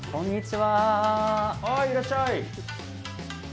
・はいいらっしゃい！